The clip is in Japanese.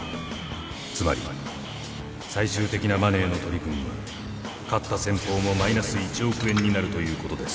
つまり最終的なマネーの取り分は勝った先鋒もマイナス１億円になるということです。